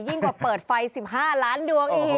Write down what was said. กว่าเปิดไฟ๑๕ล้านดวงอีก